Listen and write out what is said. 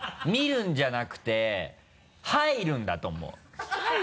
見るんじゃなくて入るんだと思う。